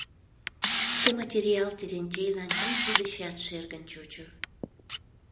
Ты материал Терентейлан чинче дечат шергын чучо.